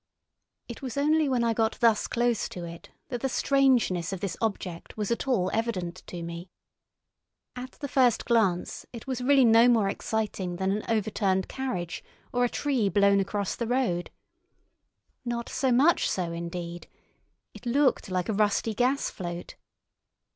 It was only when I got thus close to it that the strangeness of this object was at all evident to me. At the first glance it was really no more exciting than an overturned carriage or a tree blown across the road. Not so much so, indeed. It looked like a rusty gas float.